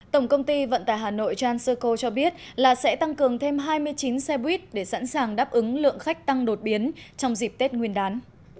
tổng công ty vận tải hà nội transerco cho biết là sẽ tăng cường thêm hai mươi chín xe buýt để sẵn sàng đáp ứng lượng khách tăng đột biến trong dịp tết nguyên đán